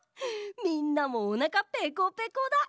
みんなもおなかペコペコだ。